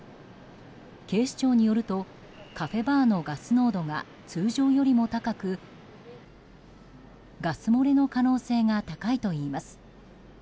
警視庁によると、カフェバーのガス濃度が通常よりも高くガス漏れの可能性が高いといいます。